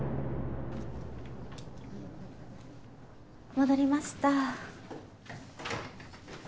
戻りました。